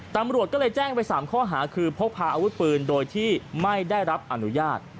ตำรวจก็เลยแจ้งไป๓ข้อหาคือพกพาอาวุธปืนโดยที่ไม่ได้รับอนุญาต